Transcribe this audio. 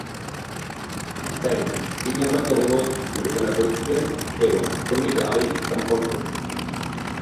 যাইহোক, তিনি আমাদের অনুরোধ বিবেচনা করেছিলেন এবং ছবিটির ডাবিং সম্পন্ন করেছিলেন।